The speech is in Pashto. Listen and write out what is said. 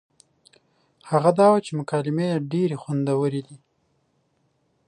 هغه دا وه چې مکالمې يې ډېرې خوندورې دي